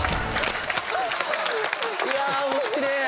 いや面白え！